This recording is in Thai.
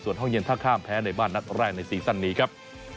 ส่วนห้องเย็นท่าข้ามแพ้ในบ้านนัดแรกในซีซั่นนี้ครับ